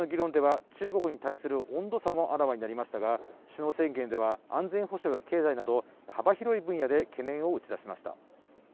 ３日間の議論では中国に対する温度差もあらわになりましたが、首脳宣言では安全保障、経済など幅広い分野で懸念を打ち出しました。